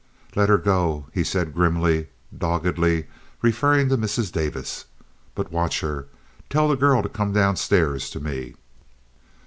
"Let her go," he said grimly, doggedly referring to Mrs. Davis, "But watch her. Tell the girl to come down stairs to me."